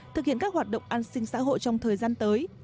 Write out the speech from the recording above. thực hiện các hoạt động an sinh xã hội trong thời gian tới